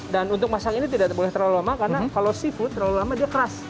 dan untuk masang ini tidak boleh terlalu lama karena seafood terlalu lama keras